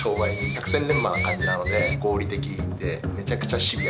百戦錬磨な感じなので合理的でめちゃくちゃシビア。